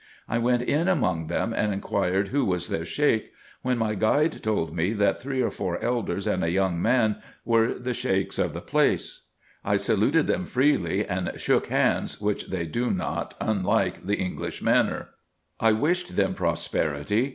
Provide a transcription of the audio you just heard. I went in among them and inquired who was their Sheik, when my guide told me that three or four elders and a young man were the Sheiks of the place. I saluted them freely, and shook hands, which they do not unlike the English manner. I wished them prosperity.